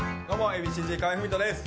Ａ．Ｂ．Ｃ‐Ｚ、河合郁人です。